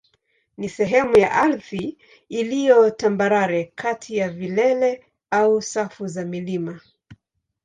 ni sehemu ya ardhi iliyo tambarare kati ya vilele au safu za milima.